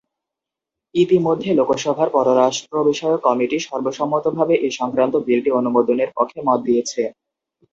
ইতিমধ্যে লোকসভার পররাষ্ট্রবিষয়ক কমিটি সর্বসম্মতভাবে এ সংক্রান্ত বিলটি অনুমোদনের পক্ষে মত দিয়েছে।